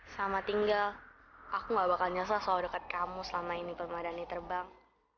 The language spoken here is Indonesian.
sama tinggal aku nggak bakal nyelesa soal dekat kamu selama ini permadannya terbang